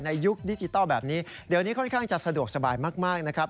ยุคดิจิทัลแบบนี้เดี๋ยวนี้ค่อนข้างจะสะดวกสบายมากนะครับ